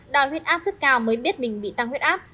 đòi huyết áp rất cao mới biết mình bị tăng huyết áp